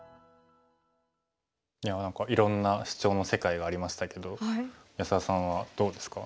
いや何かいろんなシチョウの世界がありましたけど安田さんはどうですか？